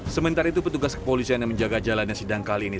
sementara itu petugas kepolisian yang menjaga jalannya sidang kali ini